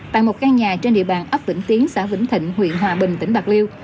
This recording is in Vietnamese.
tại một căn nhà trên địa bàn ấp vĩnh tiến xã vĩnh thịnh huyện hòa bình tỉnh bạc liêu